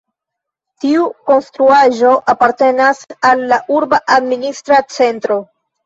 Tiu konstruaĵo apartenis al la urba administra centro.